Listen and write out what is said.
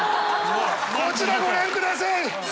こちらご覧ください。